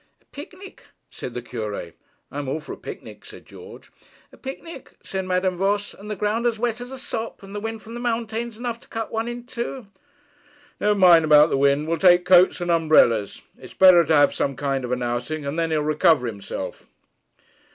'A picnic!' said the Cure. 'I'm all for a picnic,' said George. 'A picnic!' said Madame Voss, 'and the ground as wet as a sop, and the wind from the mountains enough to cut one in two.' 'Never mind about the wind. We'll take coats and umbrellas. It's better to have some kind of an outing, and then he'll recover himself.'